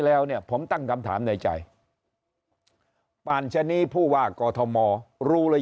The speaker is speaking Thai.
แล้วเนี่ยผมตั้งคำถามในใจอันชนีย์ผู้ว่ากตมรู้หรือ